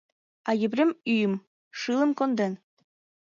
А Епрем ӱйым, шылым конден.